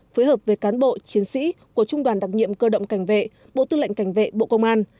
phối hợp với cán bộ chiến sĩ của trung đoàn đặc nhiệm cơ động cảnh vệ bộ tư lệnh cảnh vệ bộ công an